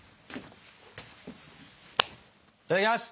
いただきます！